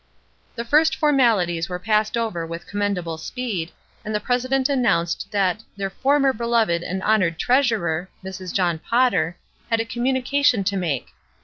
The first formalities were passed over with commendable speed, and the president an nounced that their "former beloved and honored treasurer," Mrs. John Potter, had a communica tion to make.